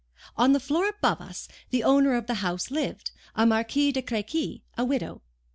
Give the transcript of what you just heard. On the floor above us the owner of the house lived, a Marquise de Crequy, a widow.